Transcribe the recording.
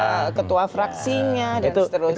misalnya ketua fraksinya dan seterusnya